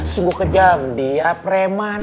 sungguh kejam dia preman